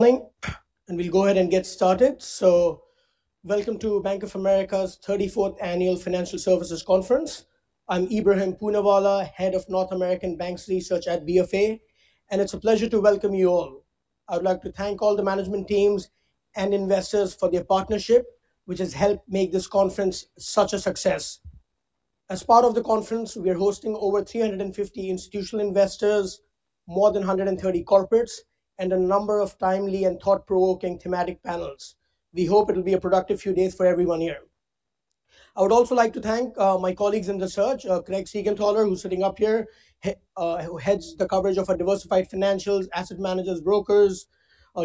We'll go ahead and get started. Welcome to Bank of America's 34th Annual Financial Services Conference. I'm Ibrahim Poonawala, Head of North American Banks Research at BofA, and it's a pleasure to welcome you all. I would like to thank all the management teams and investors for their partnership, which has helped make this conference such a success. As part of the conference, we are hosting over 350 institutional investors, more than 130 corporates, and a number of timely and thought-provoking thematic panels. We hope it'll be a productive few days for everyone here. I would also like to thank my colleagues in the research, Craig Siegenthaler, who's sitting up here, who heads the coverage of our diversified financials, asset managers, brokers.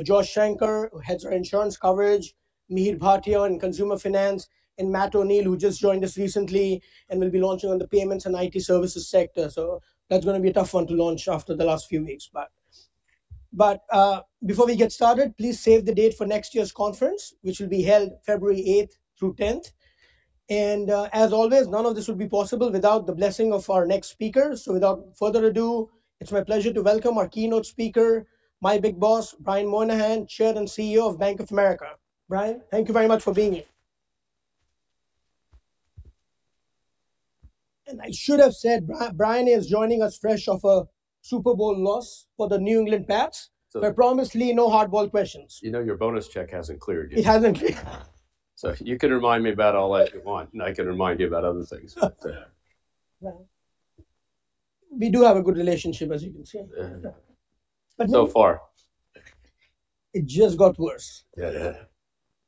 Josh Shanker, who Heads our Insurance Coverage, Mihir Bhatia in Consumer Finance, and Matt O'Neill, who just joined us recently and will be launching on the payments and IT services sector. So that's gonna be a tough one to launch after the last few weeks, but before we get started, please save the date for next year's conference, which will be held February 8th through 10th. As always, none of this would be possible without the blessing of our next speaker. So without further ado, it's my pleasure to welcome our keynote speaker, my big boss, Brian Moynihan, Chair and CEO of Bank of America. Brian, thank you very much for being here. And I should have said, Brian is joining us fresh off a Super Bowl loss for the New England Pats. So I promise Lee no hardball questions. You know, your bonus check hasn't cleared yet. It hasn't cleared. So you can remind me about all that you want, and I can remind you about other things, but. Well, we do have a good relationship, as you can see but so far. It just got worse.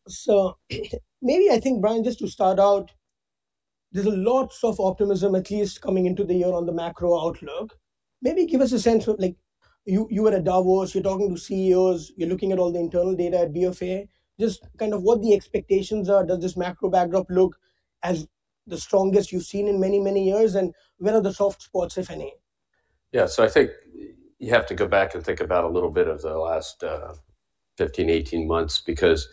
So maybe I think, Brian, just to start out, there's lots of optimism, at least coming into the year on the macro outlook. Maybe give us a sense of like, you were at Davos, you're talking to CEOs, you're looking at all the internal data at BofA, just kind of what the expectations are. Does this macro backdrop look as the strongest you've seen in many, many years? And where are the soft spots, if any? Yeah, so I think you have to go back and think about a little bit of the last 15, 18 months, because,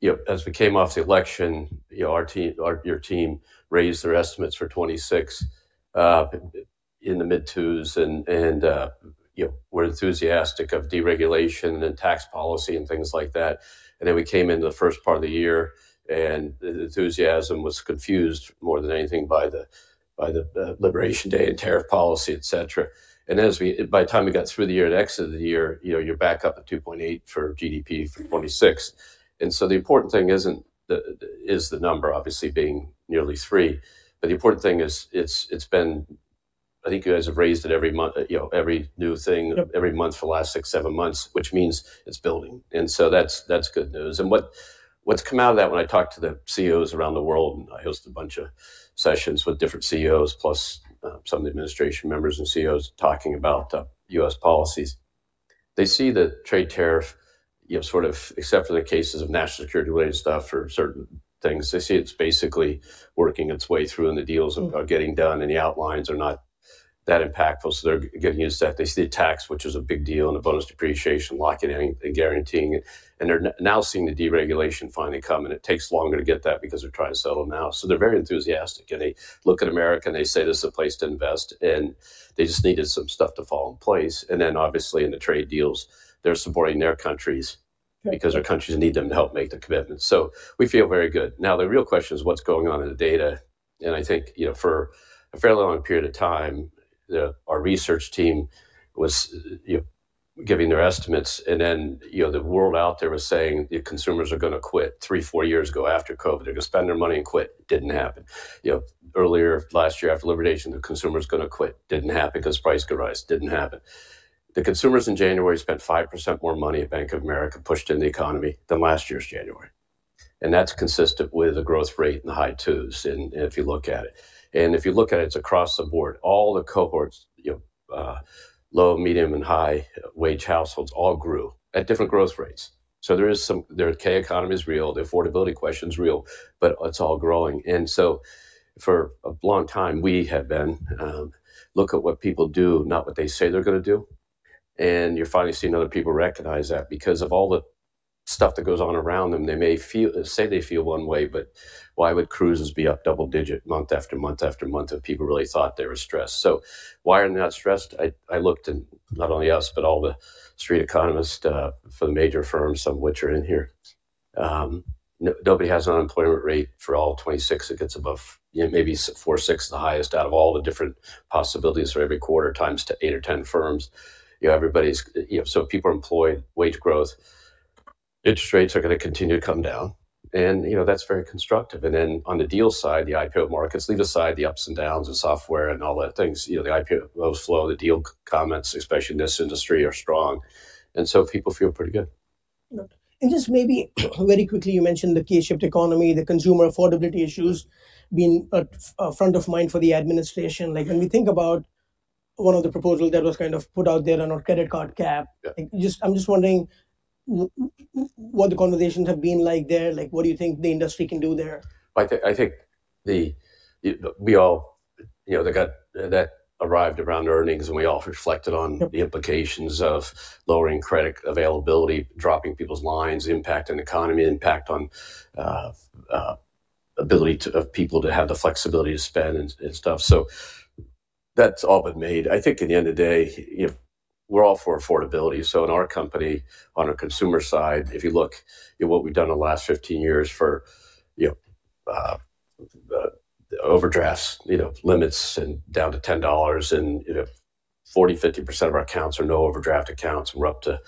you know, as we came off the election, you know, our team, your team raised their estimates for 2026, in the mid-2s and, you know, we're enthusiastic of deregulation and tax policy and things like that. And then we came in the first part of the year, and the enthusiasm was confused more than anything by the Inauguration Day and tariff policy, et cetera. And by the time we got through the year and exited the year, you know, you're back up at 2.8 for GDP for 2026. So the important thing is the number obviously being nearly three, but the important thing is, it's been, I think you guys have raised it every month, you know, every new thing every month for the last six, seven months, which means it's building. So that's good news. What's come out of that, when I talk to the CEOs around the world, and I hosted a bunch of sessions with different CEOs, plus some of the administration members and CEOs talking about U.S. policies. They see the trade tariff, you know, sort of except for the cases of national security-related stuff or certain things. They see it's basically working its way through and the deals are getting done, and the outlines are not that impactful. So they're getting used to that. They see the tax, which is a big deal, and the bonus depreciation, locking it in and guaranteeing it, and they're now seeing the deregulation finally come, and it takes longer to get that because they're trying to settle now. So they're very enthusiastic, and they look at America, and they say, "This is a place to invest," and they just needed some stuff to fall in place. And then obviously, in the trade deals, they're supporting their countries. Okay. Because their countries need them to help make the commitment. So we feel very good. Now, the real question is what's going on in the data? I think, you know, for a fairly long period of time, our research team was, you know, giving their estimates, and then, you know, the world out there was saying: The consumers are gonna quit three, four years ago after COVID. They're gonna spend their money and quit. Didn't happen. You know, earlier last year, after inflation, the consumer is gonna quit. Didn't happen, because prices could rise. Didn't happen. The consumers in January spent 5% more money at Bank of America, pushing the economy than last January, and that's consistent with the growth rate in the high 2s and if you look at it. If you look at it, it's across the board. All the cohorts, you know, low, medium, and high-wage households all grew at different growth rates. So there is some—their K-shaped economy is real, the affordability question is real, but it's all growing. And so for a long time, we have been looking at what people do, not what they say they're gonna do. And you're finally seeing other people recognize that. Because of all the stuff that goes on around them, they may feel—say they feel one way, but why would cruises be up double digit month after month after month if people really thought they were stressed? So why are they not stressed? I, I looked and not only us, but all the street economists for the major firms, some of which are in here. Nobody has an unemployment rate for all 26. It gets above, you know, maybe four, six, the highest out of all the different possibilities for every quarter times to eight or 10 firms. You know, everybody's, you know, So people are employed, wage growth, interest rates are gonna continue to come down, and, you know, that's very constructive. And then, on the deal side, the IPO markets, leave aside the ups and downs of software and all that things, you know, the IPO flow, the deal comments, especially in this industry, are strong, and so people feel pretty good. Just maybe, very quickly, you mentioned the K-shaped economy, the consumer affordability issues being front of mind for the administration. Like, when we think about one of the proposals that was kind of put out there on our credit card cap just, I'm just wondering what the conversations have been like there? Like, what do you think the industry can do there? I think the, we all. You know, they got, that arrived around earnings, and we all reflected on the implications of lowering credit availability, dropping people's lines, impact on the economy, impact on ability to, of people to have the flexibility to spend and stuff. That's all been made. I think at the end of the day, you know, we're all for affordability. So in our company, on our consumer side, if you look at what we've done in the last 15 years for, you know, the overdrafts, you know, limits and down to $10, and, you know, 40%-50% of our accounts are no overdraft accounts, and we're up to,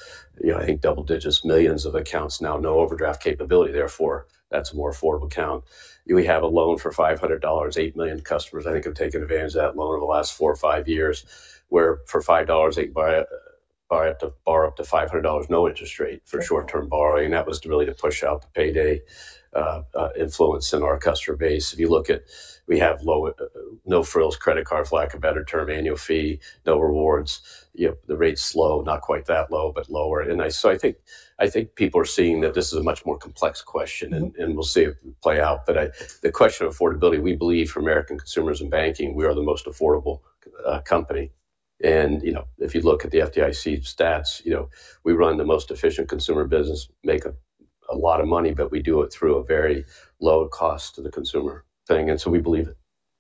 you know, I think double digits millions of accounts now, no overdraft capability, therefore, that's a more affordable account. We have a loan for $500. Eight million customers, I think, have taken advantage of that loan in the last four or five years, where for $5, they can buy up- buy up to, borrow up to $500, no interest rate for short-term borrowing. That was to really to push out the payday influence in our customer base. If you look at, we have low, no-frills credit card, for lack of a better term, annual fee, no rewards. Yep, the rate's low, not quite that low, but lower. And I, so I think people are seeing that this is a much more complex question, and, and we'll see it play out. But I, the question of affordability, we believe for American consumers in banking, we are the most affordable company. You know, if you look at the FDIC stats, you know, we run the most efficient consumer business, make a lot of money, but we do it through a very low cost to the consumer thing, and so we believe it.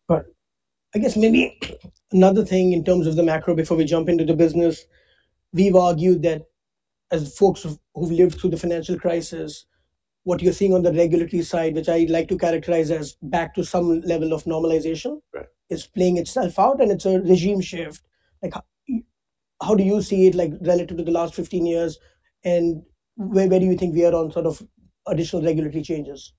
Right. I guess maybe another thing in terms of the macro, before we jump into the business, we've argued that as folks who've lived through the financial crisis, what you're seeing on the regulatory side, which I'd like to characterize as back to some level of normalization- Right. Is playing itself out, and it's a regime shift. Like, how do you see it, like, relative to the last 15 years, and where, where do you think we are on sort of additional regulatory changes?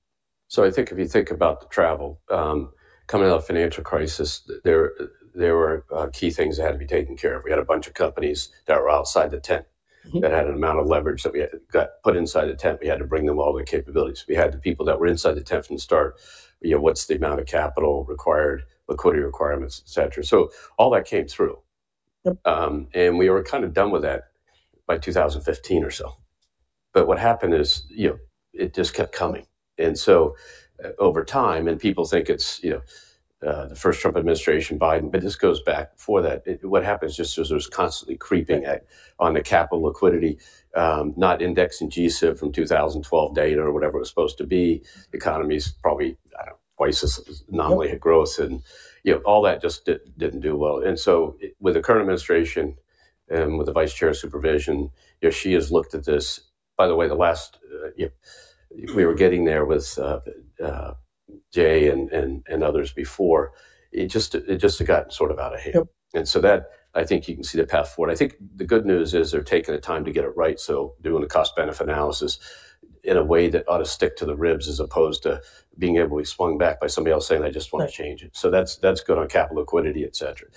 So I think if you think about the travel coming out of the financial crisis, there were key things that had to be taken care of. We had a bunch of companies that were outside the tent, that had an amount of leverage that we had got put inside the tent. We had to bring them all their capabilities. We had the people that were inside the tent from the start. You know, what's the amount of capital required, liquidity requirements, et cetera. So all that came through. And we were kind of done with that by 2015 or so. But what happened is, you know, it just kept coming. And so over time, and people think it's, you know, the first Trump administration, Biden, but this goes back before that. What happens just is there's constantly creeping on the capital liquidity, not indexing G-SIB from 2012 data or whatever it was supposed to be. Economy's probably, I don't know, twice as anomaly had growth, and, you know, all that just didn't do well. And so with the current administration and with the vice chair of supervision, you know, she has looked at this. By the way, the last, you know, we were getting there with Jay and others before. It just, it just had gotten sort of out of hand. And so that, I think you can see the path forward. I think the good news is they're taking the time to get it right, so doing a cost-benefit analysis in a way that ought to stick to the ribs, as opposed to being able to be swung back by somebody else saying: "I just want to change it." So that's, that's good on capital liquidity, et cetera.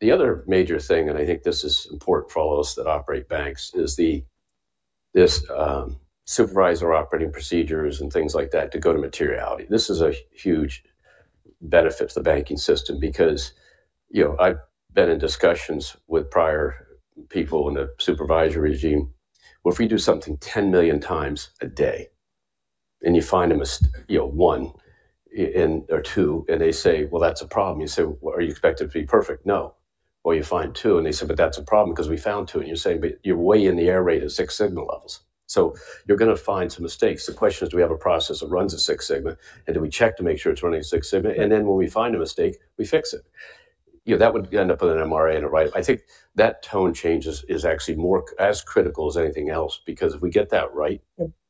The other major thing, and I think this is important for all of us that operate banks, is this supervisor operating procedures and things like that to go to materiality. This is a huge benefit to the banking system because, you know, I've been in discussions with prior people in the supervisory regime, where if we do something 10 million times a day and you find a mistake, you know, one or two, and they say: "Well, that's a problem." You say: "Well, are you expected to be perfect?" "No." Well, you find two, and they say: "But that's a problem because we found two." And you're saying: "But you're way in the error rate of Six Sigma levels." So you're gonna find some mistakes. The question is, do we have a process that runs a Six Sigma? And do we check to make sure it's running a Six Sigma? And then when we find a mistake, we fix it. You know, that would end up with an MRA in it, right? I think that tone change is actually more as critical as anything else, because if we get that right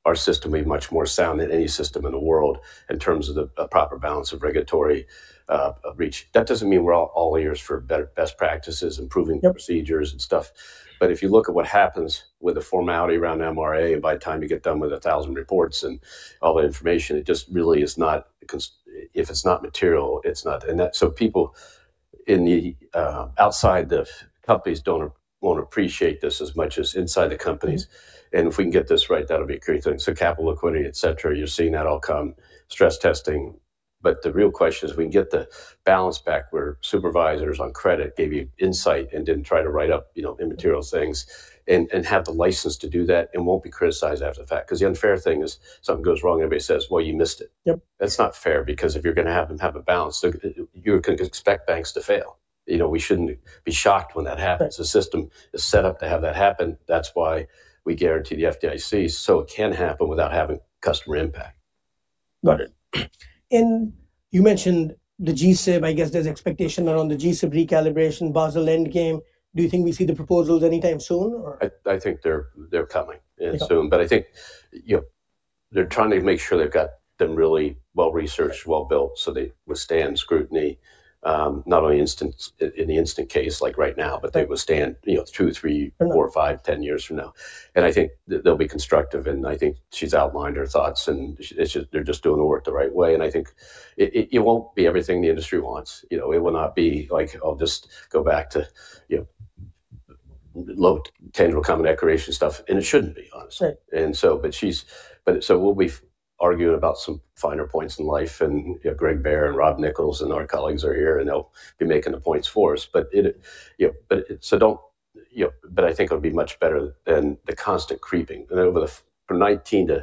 our system will be much more sound than any system in the world in terms of the, a proper balance of regulatory reach. That doesn't mean we're all ears for best practices, improving procedures and stuff. But if you look at what happens with the formality around MRA, and by the time you get done with 1,000 reports and all that information, it just really is not, if it's not material, it's not. And that. So people in the outside the companies won't appreciate this as much as inside the companies. And if we can get this right, that'll be a great thing. So capital, liquidity, et cetera, you're seeing that all come, stress testing. But the real question is, we can get the balance back where supervisors on credit gave you insight and didn't try to write up, you know, immaterial things, and have the license to do that and won't be criticized after the fact. Because the unfair thing is, something goes wrong, everybody says: "Well, you missed it. That's not fair, because if you're gonna have them have a balance, you're gonna expect banks to fail. You know, we shouldn't be shocked when that happens. Right. The system is set up to have that happen. That's why we guarantee the FDIC, so it can happen without having customer impact. Got it. You mentioned the G-SIB. I guess there's expectation around the G-SIB recalibration, Basel Endgame. Do you think we'll see the proposals anytime soon, or? I think they're coming, and soon. Okay. But I think, you know, they're trying to make sure they've got them really well researched, well built, so they withstand scrutiny, not only in the instant case, like right now, but they withstand, you know, two, three, four, five, 10 years from now. And I think they'll be constructive, and I think she's outlined her thoughts, and they're just doing the work the right way. And I think it won't be everything the industry wants, you know. It will not be like, I'll just go back to, you know, low tangible common equity stuff, and it shouldn't be, honestly. Right. But so we'll be arguing about some finer points in life, and, you know, Greg Baer and Rob Nichols and our colleagues are here, and they'll be making the points for us. But it, you know. But so don't, you know. But I think it'll be much better than the constant creeping. And over from 2019-2024,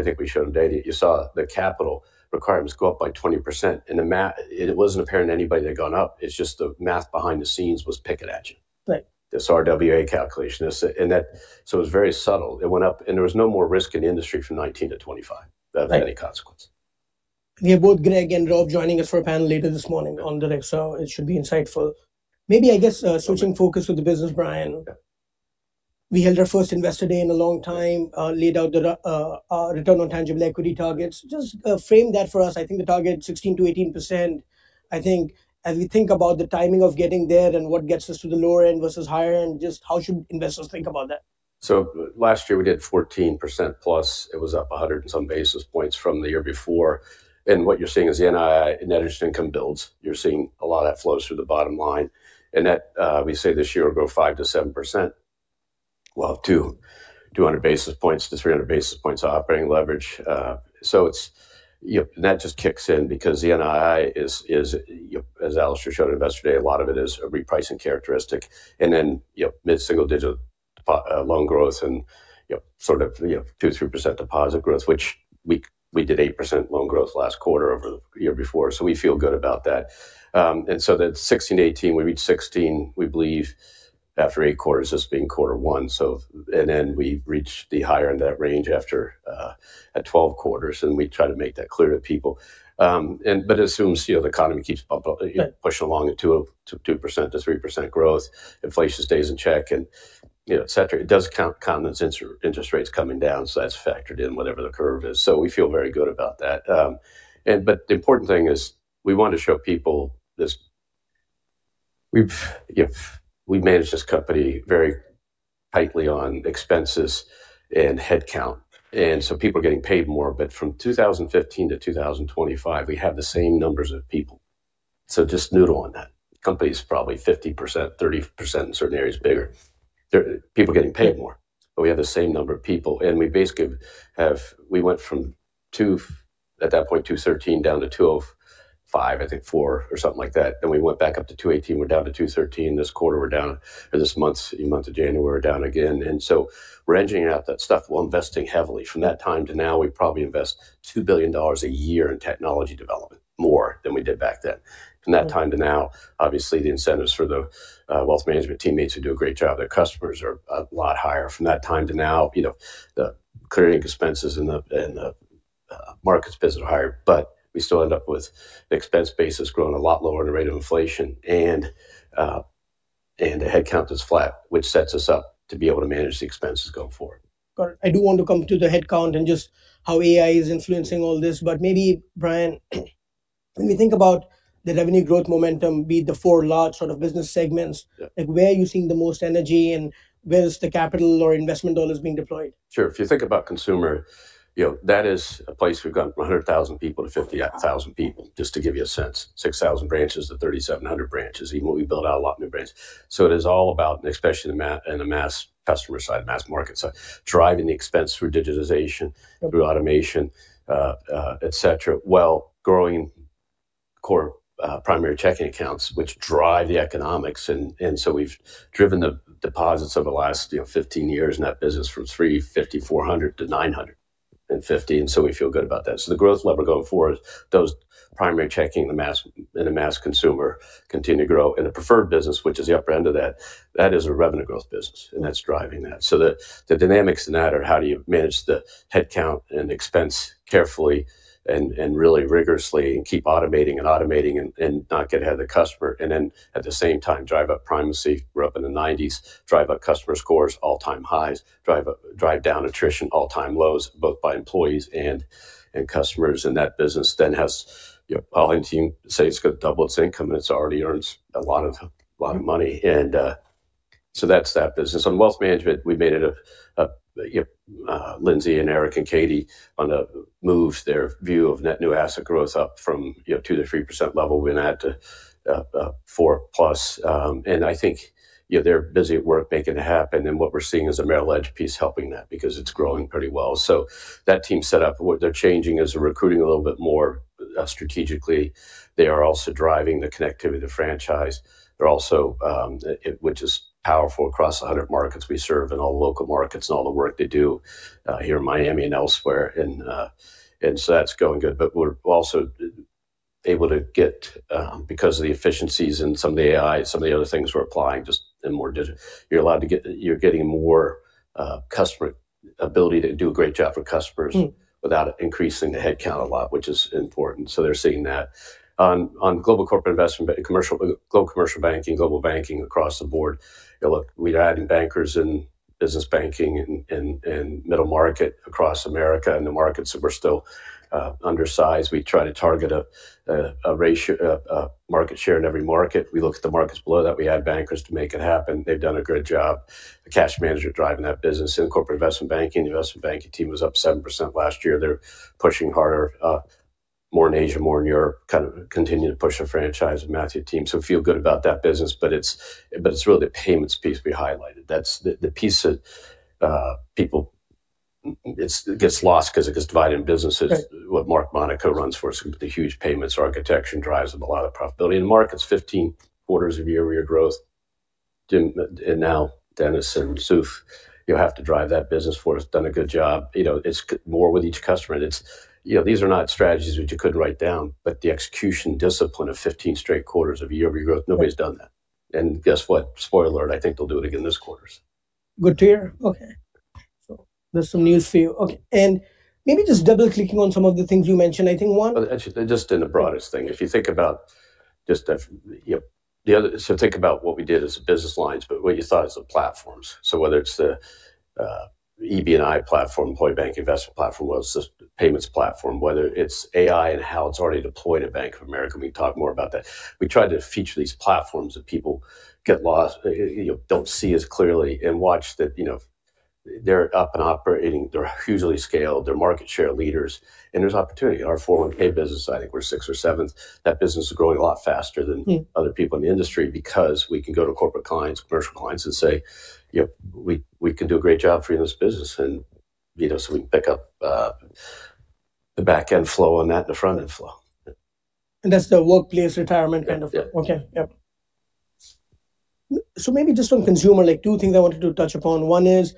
I think we showed on data, you saw the capital requirements go up by 20%, and the math, it wasn't apparent to anybody they'd gone up. It's just the math behind the scenes was picking at you. Right. This RWA calculation. And that—so it was very subtle. It went up, and there was no more risk in the industry from 2019-2025. Right. Of any consequence. We have both Greg and Rob joining us for a panel later this morning on that, so it should be insightful. Maybe, I guess, switching focus to the business, Brian. We held our first investor day in a long time, laid out the return on tangible equity targets. Just frame that for us. I think the target 16%-18%, I think, as we think about the timing of getting there and what gets us to the lower end versus higher end, just how should investors think about that? Last year we did 14% plus. It was up 100 and some basis points from the year before. And what you're seeing is the NII, net interest income builds. You're seeing a lot of that flows through the bottom line, and that, we say this year will go 5%-7%. Well, 200-300 basis points operating leverage. So it's, you know, that just kicks in because the NII is, as Alastair showed Investor Day, a lot of it is a repricing characteristic. And then, you know, mid-single digit loan growth and, you know, sort of, you know, 2%-3% deposit growth, which we, we did 8% loan growth last quarter over the year before. So we feel good about that. And so that 16-18, we reached 16, we believe, after eight quarters, this being quarter one. So, and then we reach the higher end of that range after at 12 quarters, and we try to make that clear to people. And but it assumes, you know, the economy keeps up, pushing along at 2%-3% growth, inflation stays in check, and, you know, et cetera. It does count interest rates coming down, so that's factored in whatever the curve is. So we feel very good about that. And but the important thing is, we want to show people this. We've, if we manage this company very tightly on expenses and headcount, and so people are getting paid more, but from 2015-2025, we have the same numbers of people. So just noodle on that. Company's probably 50%, 30% in certain areas, bigger. Their people are getting paid more, but we have the same number of people, and we basically have. We went from two, at that point, 213 down to 205, I think four, or something like that. Then we went back up to 218, we're down to 213. This quarter, we're down, and this month, the month of January, we're down again. And so we're engineering out that stuff. We're investing heavily. From that time to now, we probably invest $2 billion a year in technology development, more than we did back then. From that time to now, obviously, the incentives for the wealth management teammates who do a great job, their customers are a lot higher. From that time to now, you know, the clearing expenses and the markets business are higher, but we still end up with an expense base that's growing a lot lower than the rate of inflation, and the headcount is flat, which sets us up to be able to manage the expenses going forward. Got it. I do want to come to the headcount and just how AI is influencing all this, but maybe, Brian, when we think about the revenue growth momentum, be it the four large sort of business segments like, where are you seeing the most energy, and where is the capital or investment dollars being deployed? Sure. If you think about consumer, you know, that is a place we've gone from 100,000 people to 58,000 people, just to give you a sense. 6,000 branches to 3,700 branches, even though we built out a lot new branches. So it is all about, and especially in the mass customer side, mass market side, driving the expense through digitization through automation, et cetera, while growing core primary checking accounts, which drive the economics. And so we've driven the deposits over the last, you know, 15 years in that business from $350-$400 to $950, and so we feel good about that. So the growth level going forward, those primary checking in the mass, in the mass consumer continue to grow. In the preferred business, which is the upper end of that, that is a revenue growth business, and that's driving that. So the dynamics in that are how do you manage the headcount and expense carefully and really rigorously, and keep automating and automating, and not get ahead of the customer, and then at the same time, drive up primacy. We're up in the 90s, drive up customer scores, all-time highs, drive down attrition, all-time lows, both by employees and customers. That business then has, you know, I'll even say it's got double its income, and it already earns a lot of money. So that's that business. On wealth management, we made it a Lindsay, and Eric, and Katy on the moves, their view of net new asset growth up from, you know, 2%-3% level, we're now at 4%+. And I think, you know, they're busy at work making it happen, and what we're seeing is a Merrill Edge piece helping that because it's growing pretty well. So that team set up, what they're changing is recruiting a little bit more strategically. They are also driving the connectivity of the franchise. They're also, which is powerful across the 100 markets we serve and all the local markets and all the work they do, here in Miami and elsewhere, and, and so that's going good. But we're also able to get, because of the efficiencies and some of the AI, some of the other things we're applying, just in more, you're allowed to get, you're getting more, customer ability to do a great job for customers without increasing the headcount a lot, which is important. So they're seeing that. On, on global corporate investment, commercial, Global Commercial Banking, global banking across the board, look, we're adding bankers in business banking, in, in, in middle market across America, and the markets that we're still, undersized. We try to target a, a, a ratio, a, a market share in every market. We look at the markets below that. We add bankers to make it happen. They've done a great job. The cash manager driving that business. In corporate investment banking, the investment banking team was up 7% last year. They're pushing harder, more in Asia, more in Europe, kind of continuing to push the franchise, Matthew's team. So feel good about that business, but it's, but it's really the payments piece we highlighted. That's the, the piece that, people. It gets lost because it gets divided in businesses. Right. What Mark Monaco runs for us, the huge payments architecture, drives them a lot of profitability. In the market, it's 15 quarters of year-over-year growth. And now Denis and Soof, you have to drive that business for us. Done a good job. You know, it's more with each customer, and it's. You know, these are not strategies which you could write down, but the execution discipline of 15 straight quarters of year-over-year growth, nobody's done that. And guess what? Spoiler alert, I think they'll do it again this quarter. Good to hear. Okay. So there's some news for you. Okay, and maybe just double-clicking on some of the things you mentioned, I think one- Actually, just in the broadest thing, if you think about just the, you know, the other, so think about what we did as a business lines, but what you thought as the platforms. So whether it's the EBI platform, employee bank investment platform, or it's just payments platform, whether it's AI and how it's already deployed at Bank of America, we talk more about that. We tried to feature these platforms that people get lost, you know, don't see as clearly and watch that, you know, they're up and operating, they're hugely scaled, they're market share leaders, and there's opportunity. In our 401(k) business, I think we're sixth or seventh. That business is growing a lot faster than other people in the industry because we can go to corporate clients, commercial clients and say, "Yep, we can do a great job for you in this business." And, you know, so we can pick up the back-end flow on that and the front-end flow. That's the workplace retirement kind of. Okay. Yep. So maybe just on consumer, like two things I wanted to touch upon. One is,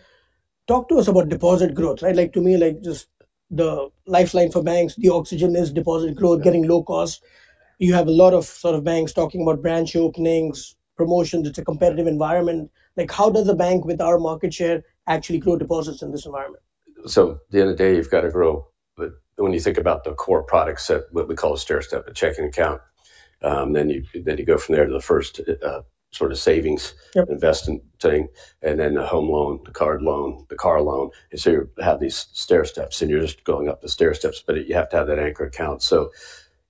talk to us about deposit growth, right? Like, to me, like, just the lifeline for banks, the oxygen is deposit growth, getting low cost. You have a lot of sort of banks talking about branch openings, promotions. It's a competitive environment. Like, how does a bank with our market share actually grow deposits in this environment? At the end of the day, you've got to grow. But when you think about the core product set, what we call a stairstep, a checking account, then you go from there to the first sort of savings investing thing, and then the home loan, the card loan, the car loan. And so you have these stairsteps, and you're just going up the stairsteps, but you have to have that anchor account. So,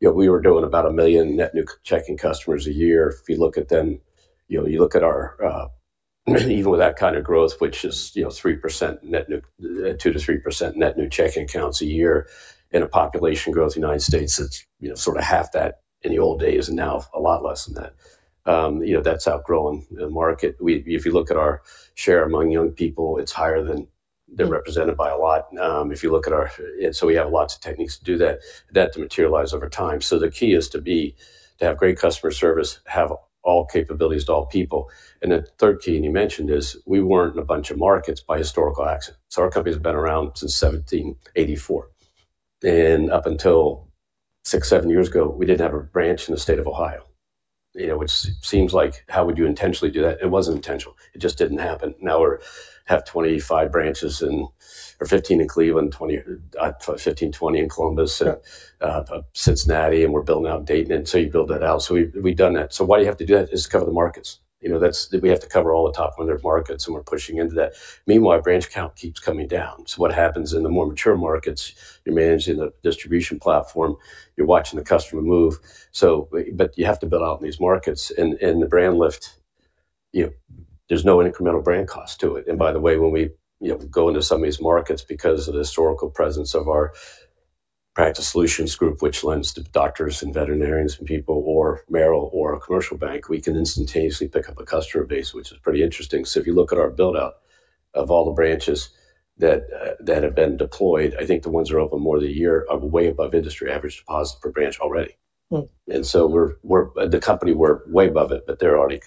you know, we were doing about 1 million net new checking customers a year. If you look at them, you know, you look at our, even with that kind of growth, which is, you know, 3% net new, 2%-3% net new checking accounts a year in a population growth United States, that's, you know, sort of half that in the old days and now a lot less than that. You know, that's outgrowing the market. If you look at our share among young people, it's higher than they're represented by a lot. If you look at our. So we have lots of techniques to do that to materialize over time. So the key is to have great customer service, have all capabilities to all people. And the third key, and you mentioned, is we weren't in a bunch of markets by historical accident. So our company's been around since 1784, and up until six-seven years ago, we didn't have a branch in the state of Ohio. You know, which seems like: how would you intentionally do that? It wasn't intentional. It just didn't happen. Now, we have 25 branches or 15 in Cleveland, 20 in Columbus, Cincinnati, and we're building out Dayton, and so you build that out. So we've done that. So why you have to do that is to cover the markets. You know, that's. We have to cover all the top 100 markets, and we're pushing into that. Meanwhile, branch count keeps coming down. So what happens in the more mature markets, you're managing the distribution platform, you're watching the customer move. So, but you have to build out these markets, and, and the brand lift, you know, there's no incremental brand cost to it. And by the way, when we, you know, go into some of these markets because of the historical presence of our Practice Solutions group, which lends to doctors and veterinarians and people or Merrill or a commercial bank, we can instantaneously pick up a customer base, which is pretty interesting. If you look at our build-out of all the branches that have been deployed, I think the ones that are open more than a year are way above industry average deposit per branch already And so we're the company, we're way above it, but they're already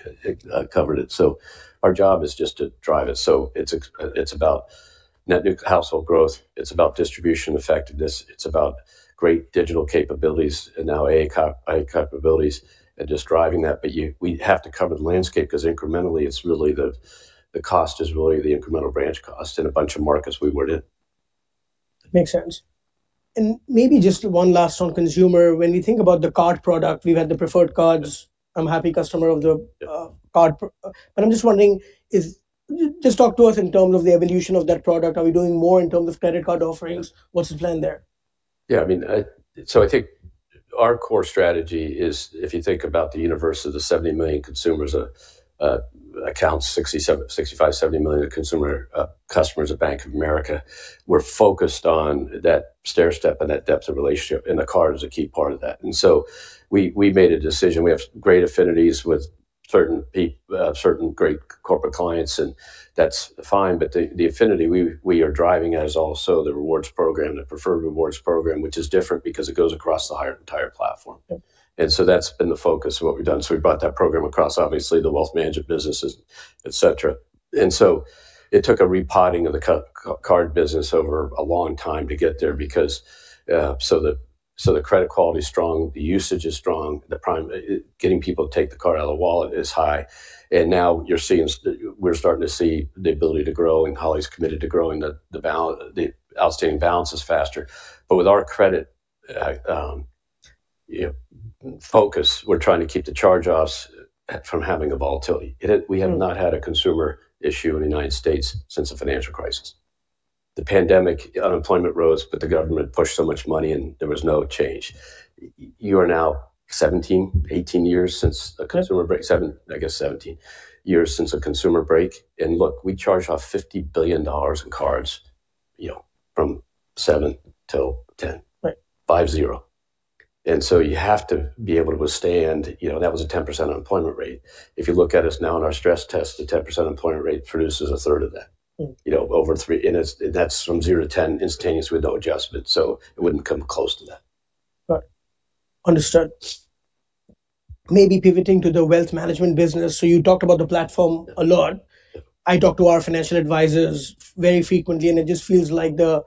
covered it. So our job is just to drive it. So it's about net new household growth, it's about distribution effectiveness, it's about great digital capabilities and now AI capabilities and just driving that. But we have to cover the landscape because incrementally, it's really the cost is really the incremental branch cost in a bunch of markets we weren't in. Makes sense. And maybe just one last on consumer. When we think about the card product, we've had the preferred cards. I'm a happy customer of the card. But I'm just wondering, is just talk to us in terms of the evolution of that product. Are we doing more in terms of credit card offerings? What's the plan there? Yeah, I mean, so I think our core strategy is, if you think about the universe of the 70 million consumers, account, 67, 65, 70 million consumer customers at Bank of America, we're focused on that stairstep and that depth of relationship, and the card is a key part of that. So we made a decision. We have great affinities with certain great corporate clients, and that's fine, but the affinity we are driving at is also the rewards program, the Preferred Rewards program, which is different because it goes across the higher entire platform. And so that's been the focus of what we've done. So we brought that program across obviously, the wealth management businesses, et cetera. And so it took a repositioning of the credit card business over a long time to get there because so the credit quality is strong, the usage is strong, the prime—getting people to take the card out of the wallet is high. And now you're seeing we're starting to see the ability to grow, and Holly's committed to growing the outstanding balances faster. But with our credit, you know, focus, we're trying to keep the charge-offs from having a volatility. We have not had a consumer issue in the United States since the financial crisis. The pandemic, unemployment rose, but the government pushed so much money, and there was no change. You are now 17, 18 years since a consumer. Okay. Break, seven, I guess, 17 years since a consumer break. And look, we charged off $50 billion in cards, you know, from seven till 10. Right. 50. And so you have to be able to withstand, you know, that was a 10% unemployment rate. If you look at us now in our stress test, the 10% unemployment rate produces a third of that. You know, over three, and it's, that's from zero to 10 instantaneously with no adjustment, so it wouldn't come close to that. Right. Understood. Maybe pivoting to the wealth management business. So you talked about the platform a lot. I talk to our financial advisors very frequently, and it just feels like the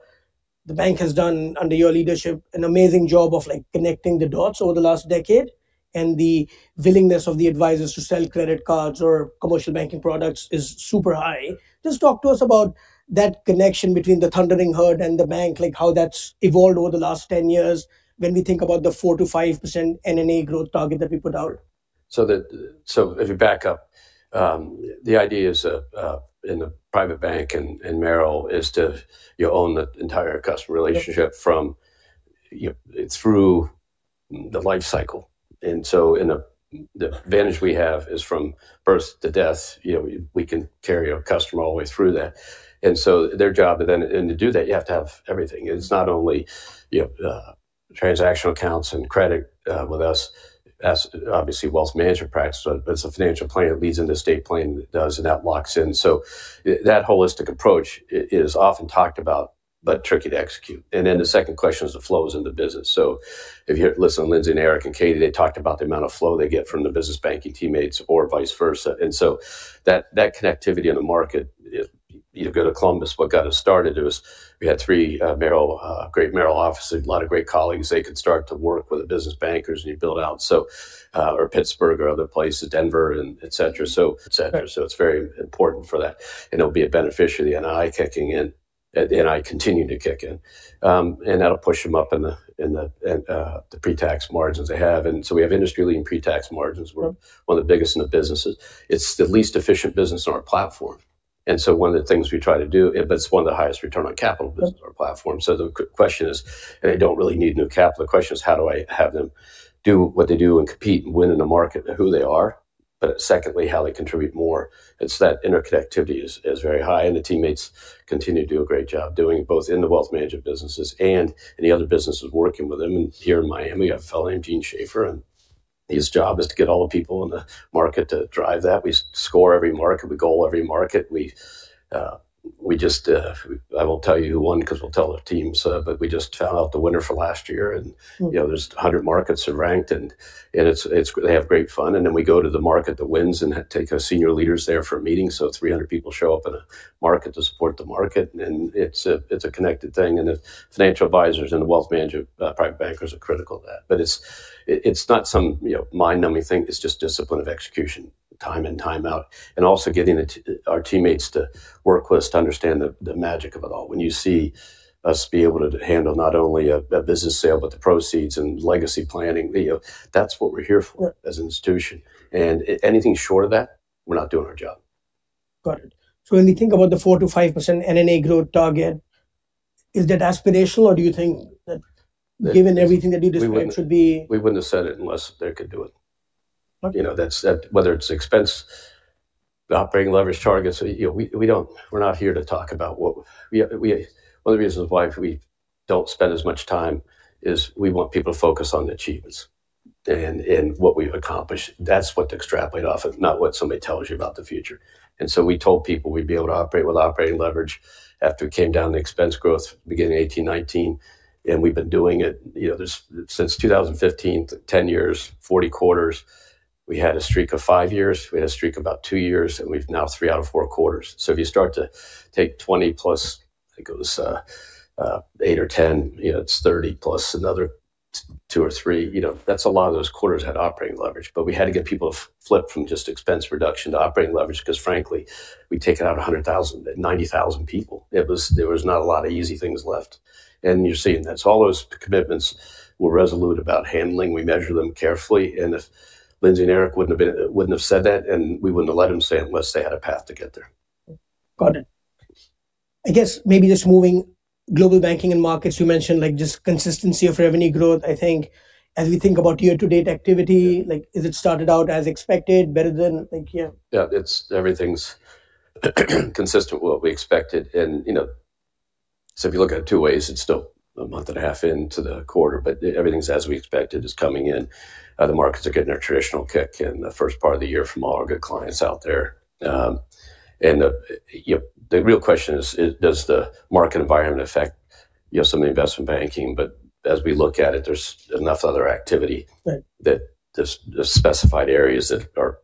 bank has done, under your leadership, an amazing job of, like, connecting the dots over the last decade, and the willingness of the advisors to sell credit cards or commercial banking products is super high. Just talk to us about that connection between the Thundering Herd and the bank, like how that's evolved over the last 10 years when we think about the 4%-5% NNA growth target that we put out. If you back up, the idea is that in the Private Bank and Merrill is to you own the entire customer relationship from you, through the life cycle. And so, the advantage we have is from birth to death, you know, we can carry a customer all the way through that. And so their job, and to do that, you have to have everything. It's not only you have transactional accounts and credit with us, as obviously wealth management practice, but as a financial planner, it leads into estate planning, it does, and that locks in. So that holistic approach is often talked about, but tricky to execute. And then the second question is the flows in the business. So if you listen to Lindsay, and Eric, and Katy, they talked about the amount of flow they get from the business banking teammates or vice versa. And so that connectivity in the market, if you go to Columbus, what got us started it was we had three great Merrill offices, a lot of great colleagues. They could start to work with the business bankers, and you build out so, or Pittsburgh, or other places, Denver, and et cetera, so et cetera. Right. So it's very important for that, and it'll be a beneficiary of NII kicking in, NII continuing to kick in. And that'll push them up in the pre-tax margins they have. And so we have industry-leading pre-tax margins. We're one of the biggest in the businesses. It's the least efficient business on our platform, and so one of the things we try to do, but it's one of the highest return on capital business on our platform. So the question is, and they don't really need new capital, the question is, how do I have them do what they do and compete and win in the market and who they are, but secondly, how they contribute more? It's that interconnectivity is very high, and the teammates continue to do a great job doing it, both in the wealth management businesses and any other businesses working with them. And here in Miami, we got a fellow named Gene Schaefer, and his job is to get all the people in the market to drive that. We score every market, we goal every market. We just, I won't tell you who won, because we'll tell the teams, but we just found out the winner for last year, and you know, there's 100 markets are ranked, and, and it's, it's they have great fun, and then we go to the market that wins and take our senior leaders there for a meeting. So 300 people show up in a market to support the market, and it's a, it's a connected thing, and the financial advisors and the wealth manager, private bankers are critical to that. But it's, it's not some, you know, mind-numbing thing, it's just discipline of execution, time in, time out, and also getting the, our teammates to work with us to understand the, the magic of it all. When you see us be able to handle not only a, a business sale, but the proceeds and legacy planning, you know, that's what we're here for. Right. As an institution. Anything short of that, we're not doing our job. Got it. So when you think about the 4%-5% NNA growth target, is that aspirational, or do you think that given everything that you described should be? We wouldn't have said it unless they could do it. Okay. You know, that's whether it's expense operating leverage targets, you know, we don't--we're not here to talk about what. We, one of the reasons why we don't spend as much time is, we want people to focus on the achievements and what we've accomplished. That's what to extrapolate off of, not what somebody tells you about the future. And so we told people we'd be able to operate with operating leverage after we came down the expense growth beginning 18-19, and we've been doing it, you know, this since 2015, 10 years, 40 quarters. We had a streak of five years, we had a streak of about two years, and we've now three out of four quarters. So if you start to take 20+, I think it was, eight or ten, you know, it's 30+ another two or three, you know, that's a lot of those quarters had operating leverage. But we had to get people to flip from just expense reduction to operating leverage because, frankly, we'd taken out 100,000, 90,000 people. It was. There was not a lot of easy things left. And you're seeing that. So all those commitments were resolute about handling. We measure them carefully, and if Lindsay and Eric wouldn't have been, wouldn't have said that, and we wouldn't have let them say it unless they had a path to get there. Got it. I guess maybe just moving global banking and markets, you mentioned, like, just consistency of revenue growth. I think as we think about year-to-date activity, like, is it started out as expected, better than, like, yeah? Yeah, everything's consistent with what we expected. And, you know, so if you look at it two ways, it's still a month and a half into the quarter, but everything's as we expected, is coming in. The markets are getting their traditional kick in the first part of the year from all our good clients out there. And the, you know, the real question is, does the market environment affect, you know, some of the investment banking? But as we look at it, there's enough other activity- Right. That there's specified areas that are,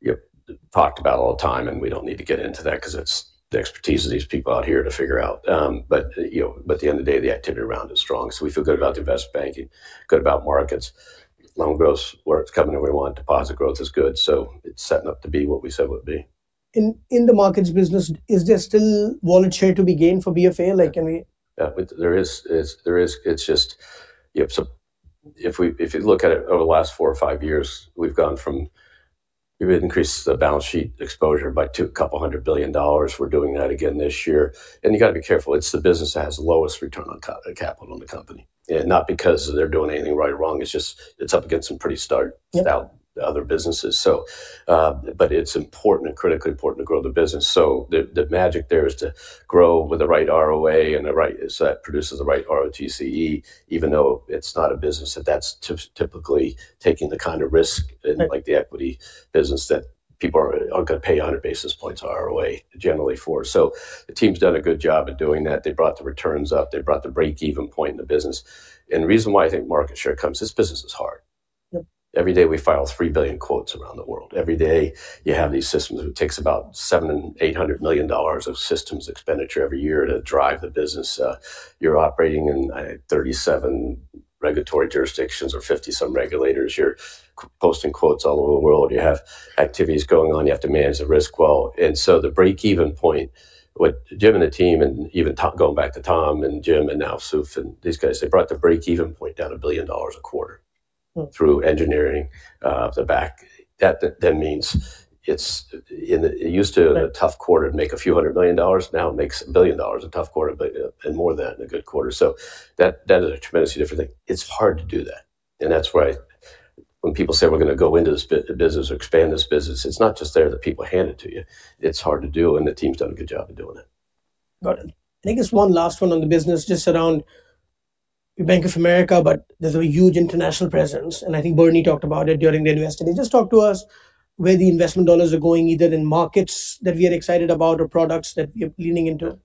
you know, talked about all the time, and we don't need to get into that because it's the expertise of these people out here to figure out. But, you know, but at the end of the day, the activity around is strong. So we feel good about the investment banking, good about markets. Loan growth's where it's coming, where we want. Deposit growth is good, so it's setting up to be what we said it would be. In the markets business, is there still wallet share to be gained for BFA? Like, can we. Yeah, there is. It's just, yep, so if you look at it over the last four or five years, we've increased the balance sheet exposure by $200 billion. We're doing that again this year. You've got to be careful. It's the business that has the lowest return on capital in the company. Not because they're doing anything right or wrong, it's just up against some pretty stark other businesses. So, but it's important and critically important to grow the business. So the magic there is to grow with the right ROA and the right, so that produces the right ROTCE, even though it's not a business that's typically taking the kind of risk. Right. Like the equity business, that people are going to pay 100 basis points of ROA generally for. So the team's done a good job of doing that. They brought the returns up, they brought the break-even point in the business. And the reason why I think market share comes, this business is hard. Every day we file 3 billion quotes around the world. Every day you have these systems, it takes about $700-800 million of systems expenditure every year to drive the business. You're operating in 37 regulatory jurisdictions or 50-some regulators. You're posting quotes all over the world. You have activities going on. You have to manage the risk well. The break-even point, what Jim and the team, and even going back to Tom and Jim, and now Soof, and these guys, they brought the break-even point down $1 billion a quarter through engineering, the back. That then means it's in, it used to in a tough quarter, make a few hundred million dollars; now it makes a billion dollars a tough quarter, but and more than in a good quarter. So that, that is a tremendously different thing. It's hard to do that, and that's why when people say we're going to go into this business or expand this business, it's not just there that people hand it to you. It's hard to do, and the team's done a good job of doing it. Got it. I think just one last one on the business, just around Bank of America, but there's a huge international presence, and I think Bernie talked about it during the investor day. Just talk to us where the investment dollars are going, either in markets that we are excited about or products that we're leaning into.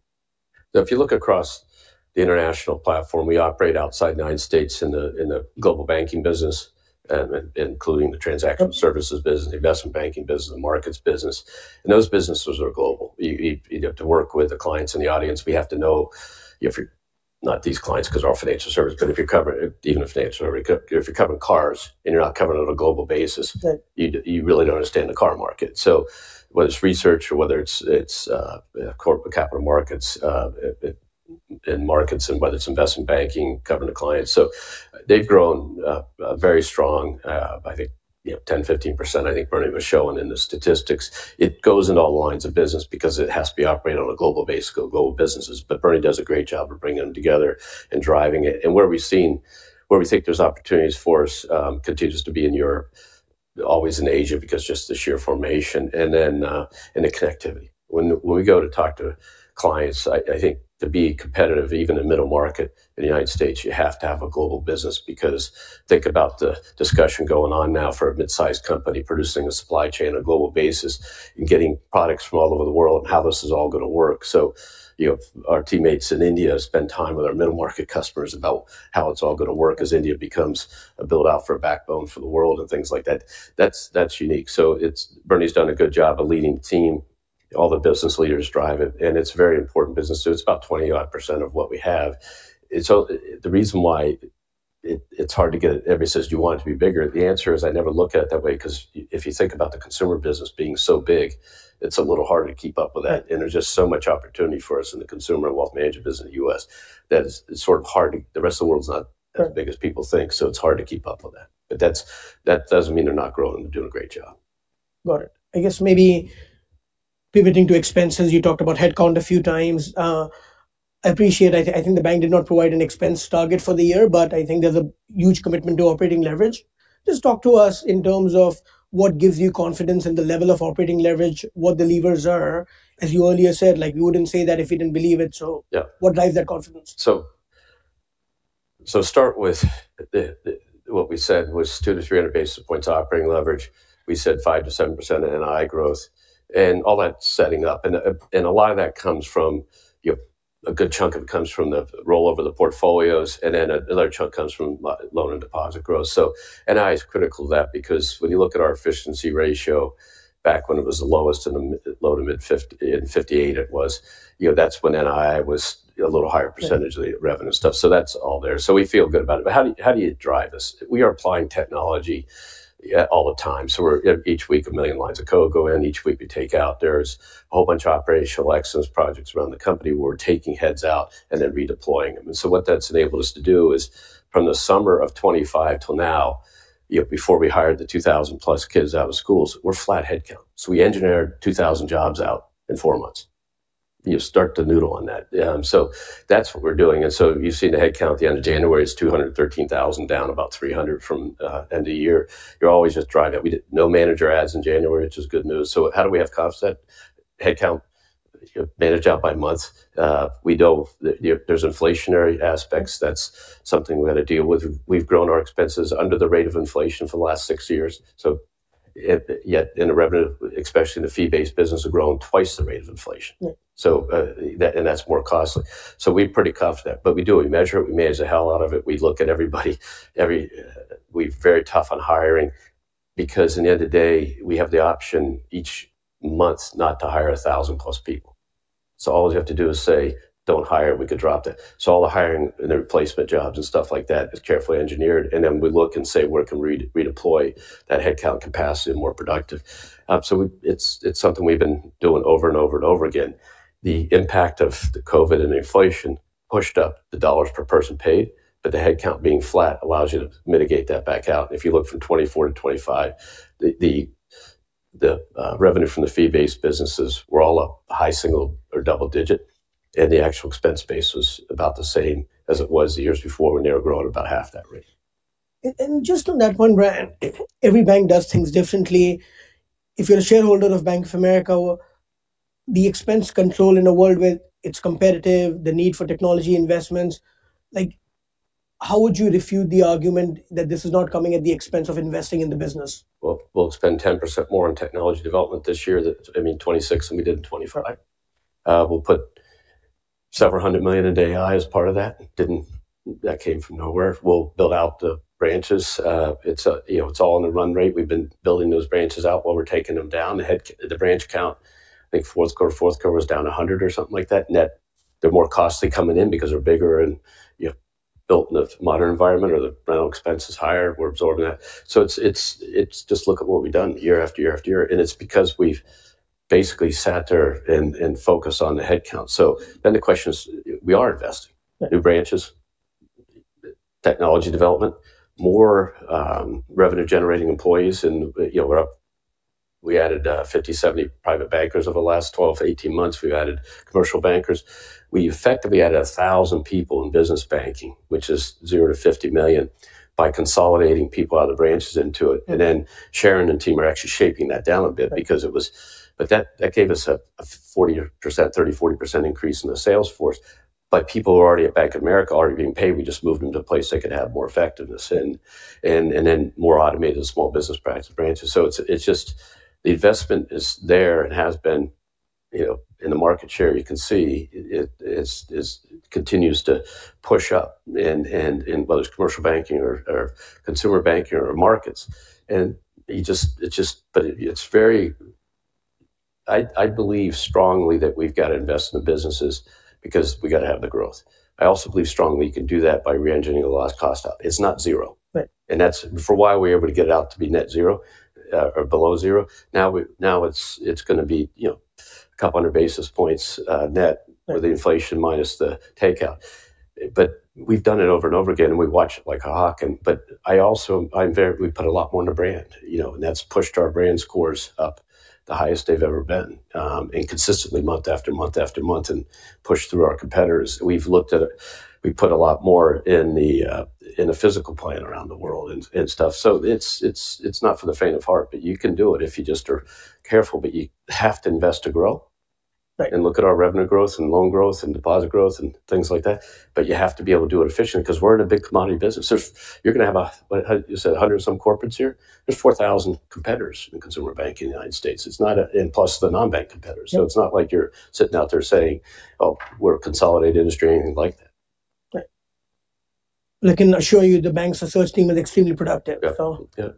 If you look across the international platform, we operate outside the United States in the, in the global banking business, including the transaction services business, investment banking business, the markets business. Those businesses are global. You have to work with the clients and the audience. We have to know if you're... Not these clients, because they're all financial service, but if you're covering, even if financial, if you're covering cars and you're not covering it on a global basis. Good. You really don't understand the car market. So whether it's research or whether it's, it's, corporate capital markets, in, in markets, and whether it's investment banking, covering the clients. So they've grown, very strong, I think, you know, 10%-15%, I think Bernie was showing in the statistics. It goes into all lines of business because it has to be operated on a global basis, global businesses. But Bernie does a great job of bringing them together and driving it. And where we've seen where we think there's opportunities for us, continues to be in Europe, always in Asia, because just the sheer formation and then, and the connectivity. When we go to talk to clients, I think to be competitive, even in middle-market in the United States, you have to have a global business because think about the discussion going on now for a mid-sized company producing a supply chain on a global basis and getting products from all over the world, and how this is all going to work. So you know, our teammates in India spend time with our middle-market customers about how it's all going to work as India becomes a build-out for a backbone for the world and things like that. That's unique. So it's. Bernie's done a good job of leading the team. All the business leaders drive it, and it's a very important business, so it's about 20-odd% of what we have. So the reason why it's hard to get, everybody says, you want it to be bigger. The answer is, I never look at it that way, because if you think about the consumer business being so big, it's a little harder to keep up with that. There's just so much opportunity for us in the consumer and wealth management business in the U.S. that it's sort of hard, the rest of the world is not as big as people think, so it's hard to keep up with that. But that's, that doesn't mean they're not growing. They're doing a great job. Got it. I guess maybe pivoting to expenses, you talked about headcount a few times. I appreciate, I, I think the bank did not provide an expense target for the year, but I think there's a huge commitment to operating leverage. Just talk to us in terms of what gives you confidence in the level of operating leverage, what the levers are? As you earlier said, like, you wouldn't say that if you didn't believe it. So what drives that confidence? So start with what we said was 200-300 basis points operating leverage. We said 5%-7% NII growth and all that's setting up, and a lot of that comes from, you know, a good chunk of it comes from the rollover the portfolios, and then another chunk comes from loan and deposit growth. So NII is critical to that because when you look at our efficiency ratio back when it was the lowest in the low to mid-50s, in 58, it was, you know, that's when NII was a little higher percentage of the revenue stuff. So that's all there. So we feel good about it. But how do you, how do you drive this? We are applying technology all the time, so we're, each week, a million lines of code go in, each week we take out. There's a whole bunch of operational excellence projects around the company where we're taking heads out and then redeploying them. And so what that's enabled us to do is, from the summer of 25 till now, you know, before we hired the 2,000+ kids out of schools, we're flat headcount. So we engineered 2,000 jobs out in four months. You start to noodle on that. So that's what we're doing. And so you've seen the headcount at the end of January is 213,000, down about 300 from end of year. You're always just driving it. We did no manager ads in January, which is good news. So how do we have confidence that headcount, you know, manage out by month? We know there's inflationary aspects. That's something we have to deal with. We've grown our expenses under the rate of inflation for the last six years. So, yet in the revenue, especially in the fee-based business, have grown twice the rate of inflation. So, that, and that's more costly. So we're pretty confident. But we do, we measure it, we manage the hell out of it. We look at everybody. We're very tough on hiring because in the end of the day, we have the option each month not to hire 1,000+ people. So all we have to do is say, "Don't hire, we could drop that." So all the hiring and the replacement jobs and stuff like that is carefully engineered, and then we look and say, where can we redeploy that headcount capacity more productive? So it's something we've been doing over and over and over again. The impact of the COVID and inflation pushed up the dollars per person paid, but the headcount being flat allows you to mitigate that back out. If you look from 2024 to 2025, the revenue from the fee-based businesses were all up high single or double digit, and the actual expense base was about the same as it was the years before, when they were growing at about half that rate. And just on that one, Brian, every bank does things differently. If you're a shareholder of Bank of America, the expense control in a world where it's competitive, the need for technology investments, like, how would you refute the argument that this is not coming at the expense of investing in the business? Well, we'll spend 10% more on technology development this year, that... I mean, 2026 than we did in 2025. We'll put several hundred million of that AI as part of that. That didn't come from nowhere. We'll build out the branches. It's, you know, it's all in the run rate. We've been building those branches out while we're taking them down. The head, the branch count, I think fourth quarter to fourth quarter was down 100 or something like that. Net, they're more costly coming in because they're bigger, and, you know, built in a modern environment or the rental expense is higher, we're absorbing that. So it's just look at what we've done year after year after year, and it's because we've basically sat there and focused on the headcount. So then the question is, we are investing. New branches, technology development, more revenue-generating employees and, you know, we're up. We added 50, 70 private bankers over the last 12-18 months. We've added commercial bankers. We effectively added 1,000 people in business banking, which is $0-$50 million, by consolidating people out of the branches into it. And then Sharon and team are actually shaping that down a bit because it was, but that gave us a 30%-40% increase in the sales force. But people who are already at Bank of America are already being paid, we just moved them to a place they could have more effectiveness and then more automated small business practice branches. So it's just the investment is there and has been, you know, in the market share. You can see it. It continues to push up and whether it's commercial banking or consumer banking or markets. And you just—it's just, but it's very—I believe strongly that we've got to invest in the businesses because we got to have the growth. I also believe strongly you can do that by reengineering a lot of cost out. It's not zero. That's for why we're able to get it out to be net zero, or below zero. Now it's gonna be, you know, a couple hundred basis points, net for the inflation minus the takeout. But we've done it over and over again, and we watch it like a hawk. But I also, I'm very, we've put a lot more in the brand, you know, and that's pushed our brand scores up the highest they've ever been, and consistently, month after month after month, and pushed through our competitors. We've looked at it. We put a lot more in the, in the physical plant around the world and, and stuff. So it's not for the faint of heart, but you can do it if you just are careful, but you have to invest to grow. Look at our revenue growth and loan growth and deposit growth and things like that. But you have to be able to do it efficiently because we're in a big commodity business. There, you're going to have, what you said, 100-some corporates here. There's 4,000 competitors in consumer banking in the United States. It's not, and plus, the non-bank competitors. It's not like you're sitting out there saying, "Oh, we're a consolidated industry," or anything like that. Right. I can assure you the bank's research team is extremely productive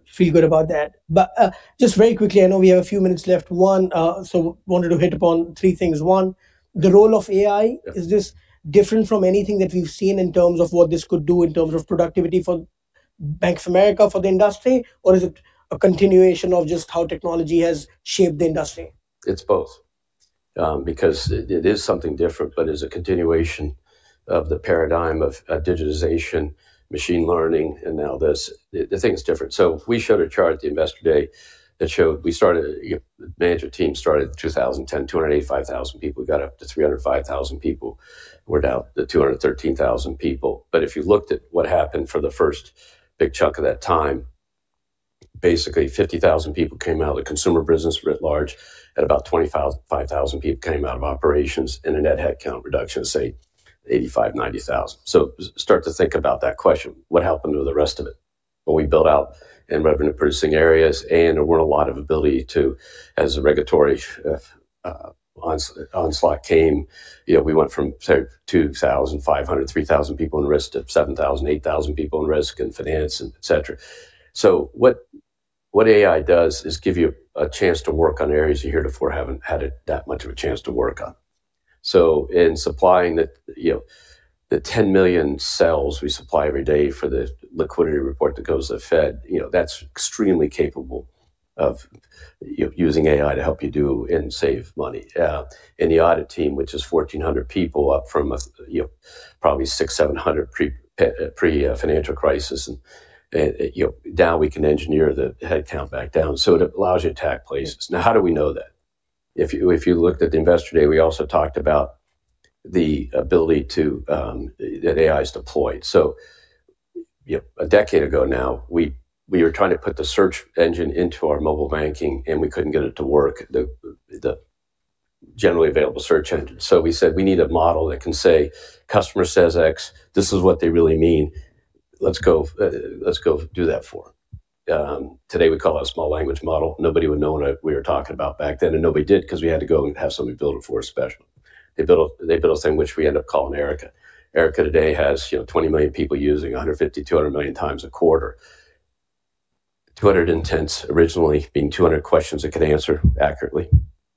feel good about that. But, just very quickly, I know we have a few minutes left. One, so wanted to hit upon three things. One, the role of AI. Is this different from anything that we've seen in terms of what this could do in terms of productivity for Bank of America, for the industry, or is it a continuation of just how technology has shaped the industry? It's both. Because it, it is something different, but is a continuation of the paradigm of, of digitization, machine learning, and now this. The thing is different. So we showed a chart at the Investor Day that showed. We started, you know, the management team started in 2010, 285,000 people. We got up to 305,000 people. We're down to 213,000 people. But if you looked at what happened for the first big chunk of that time, basically 50,000 people came out of the consumer business writ large, and about 25,000 people came out of operations, and a net headcount reduction of say, 85,000-90,000. So start to think about that question: What happened to the rest of it? Well, we built out in revenue-producing areas, and there weren't a lot of ability to, as the regulatory onslaught came, you know, we went from, say, 2,500, 3,000 people in risk, to 7,000, 8,000 people in risk and finance, et cetera. So what AI does is give you a chance to work on areas you heretofore haven't had that much of a chance to work on. So in supplying the, you know, the 10 million cells we supply every day for the liquidity report that goes to the Fed, you know, that's extremely capable of using AI to help you do and save money. In the audit team, which is 1,400 people, up from, you know, probably 600-700 pre-financial crisis, and you know, now we can engineer the headcount back down. So it allows you to attack places. Now, how do we know that? If you looked at the Investor Day, we also talked about the ability to that AI has deployed. So, you know, a decade ago now, we were trying to put the search engine into our mobile banking, and we couldn't get it to work, the generally available search engine. So we said: "We need a model that can say, customer says X, this is what they really mean. Let's go, let's go do that for them." Today, we call it a small language model. Nobody would know what we were talking about back then, and nobody did because we had to go and have somebody build it for us special. They built a thing which we end up calling Erica. Erica today has, you know, 20 million people using 150-200 million times a quarter. 200 intents, originally being 200 questions it could answer accurately,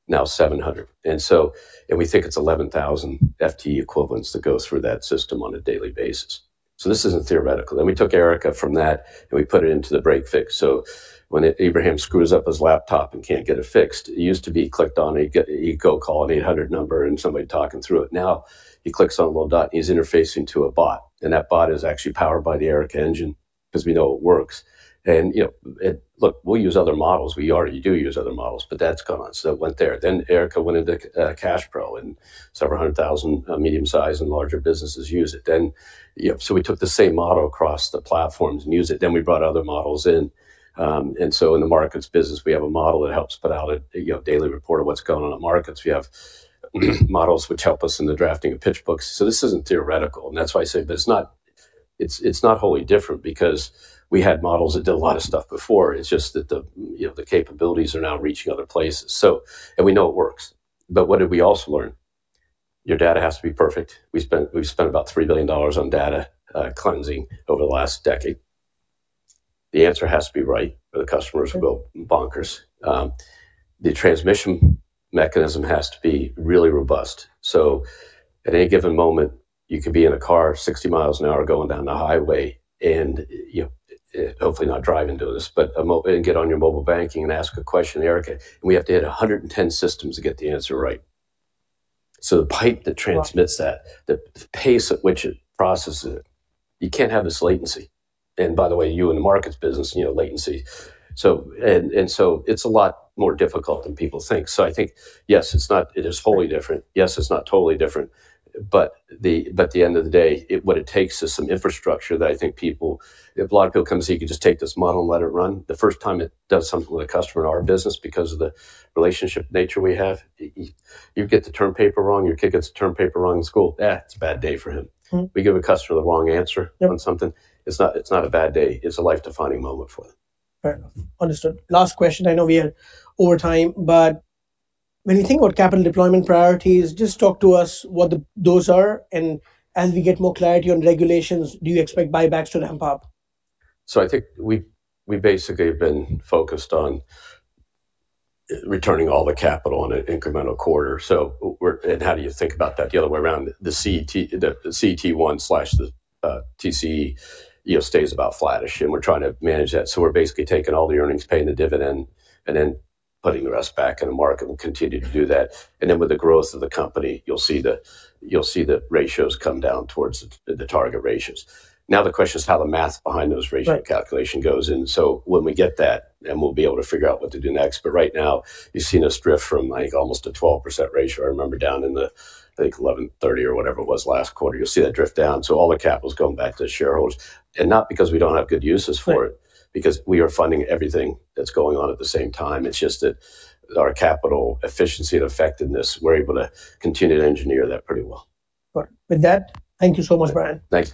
now 700. And so, and we think it's 11,000 FTE equivalents that go through that system on a daily basis. So this isn't theoretical. Then we took Erica from that, and we put it into the break/fix. So when Abraham screws up his laptop and can't get it fixed, it used to be he clicked on it, he'd get—he'd go call an 800 number, and somebody talking through it. Now, he clicks on a little dot, and he's interfacing to a bot, and that bot is actually powered by the Erica engine because we know it works. And, you know, look, we'll use other models. We already do use other models, but that's gone. So it went there. Then Erica went into CashPro, and several hundred thousand medium-sized and larger businesses use it. Then, you know, so we took the same model across the platforms and used it. Then we brought other models in. And so in the markets business, we have a model that helps put out a, you know, daily report of what's going on in markets. We have models which help us in the drafting of pitch books. So this isn't theoretical, and that's why I say, but it's not- it's, it's not wholly different because we had models that did a lot of stuff before. It's just that the, you know, the capabilities are now reaching other places. So, and we know it works. But what did we also learn? Your data has to be perfect. We spent, we've spent about $3 billion on data cleansing over the last decade. The answer has to be right, or the customers will go bonkers. The transmission mechanism has to be really robust. So at any given moment, you could be in a car 60 miles an hour going down the highway and, you know, hopefully not driving and doing this, but and get on your mobile banking and ask a question, Erica, and we have to hit 110 systems to get the answer right. So the pipe that transmits that, the pace at which it processes it, you can't have this latency. And by the way, you in the markets business, you know latency. So and, and so it's a lot more difficult than people think. So I think, yes, it's not, it is wholly different. Yes, it's not totally different, but at the end of the day, it, what it takes is some infrastructure that I think people. If Block, Bill.com, he can just take this model and let it run. The first time it does something with a customer in our business, because of the relationship nature we have, you get the term paper wrong, your kid gets a term paper wrong in school, it's a bad day for him. We give a customer the wrong answer on something, it's not, it's not a bad day, it's a life-defining moment for them. Right. Understood. Last question, I know we are over time, but when you think about capital deployment priorities, just talk to us what the those are, and as we get more clarity on regulations, do you expect buybacks to ramp up? So I think we've we basically have been focused on returning all the capital on an incremental quarter. So we're and how do you think about that the other way around, the CET, CET1, the TCE, you know, stays about flattish, and we're trying to manage that. So we're basically taking all the earnings, paying the dividend, and then putting the rest back in the market, and we'll continue to do that. And then with the growth of the company, you'll see the, you'll see the ratios come down towards the, the target ratios. Now, the question is how the math behind those ratio calculation goes. And so when we get that, then we'll be able to figure out what to do next. But right now, you've seen us drift from, I think, almost a 12% ratio. I remember down in the, I think, 11.30 or whatever it was last quarter. You'll see that drift down, so all the capital's going back to the shareholders, and not because we don't have good uses for it because we are funding everything that's going on at the same time. It's just that our capital efficiency and effectiveness, we're able to continue to engineer that pretty well. Right. With that, thank you so much, Brian. Thanks.